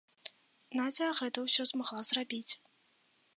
Надзя гэта ўсё змагла зрабіць.